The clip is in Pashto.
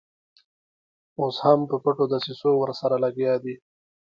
اوس هم په پټو دسیسو ورسره لګیا دي.